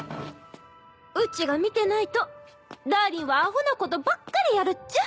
うちが見てないとダーリンはアホなことばっかりやるっちゃ。